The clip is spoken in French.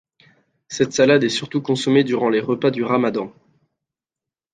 Cette salade est surtout consommée durant les repas du Ramadan.